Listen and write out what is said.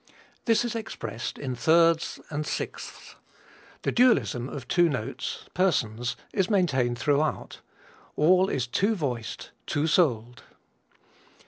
"This is expressed in thirds and sixths; the dualism of two notes persons is maintained throughout; all is two voiced, two souled.